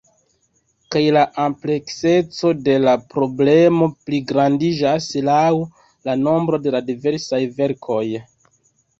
Kaj la amplekseco de la problemo pligrandiĝas laŭ la nombro de la diversaj verkoj.